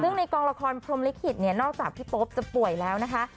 ซึ่งในกองละครพรมลิขิตเนี่ยนอกจากพี่โป๊ปจะป่วยแล้วนะคะ